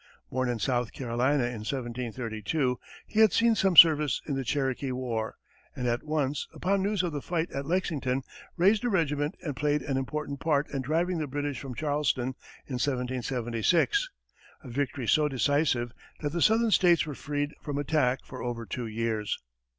Born in South Carolina in 1732, he had seen some service in the Cherokee war, and at once, upon news of the fight at Lexington, raised a regiment and played an important part in driving the British from Charleston in 1776 a victory so decisive that the southern states were freed from attack for over two years.